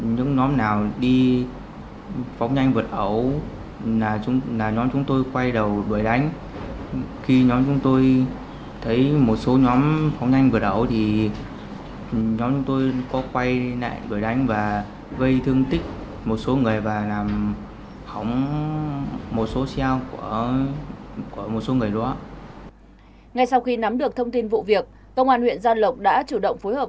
ngày sau khi nắm được thông tin vụ việc công an huyện gia lộc đã chủ động phối hợp